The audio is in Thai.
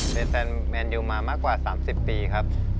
เป็นแมนยูมามากกว่า๓๐ปีครับ